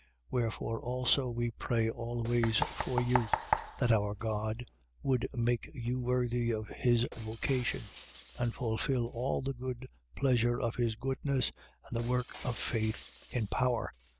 1:11. Wherefore also we pray always for you: That our God would make you worthy of his vocation and fulfil all the good pleasure of his goodness and the work of faith in power: 1:12.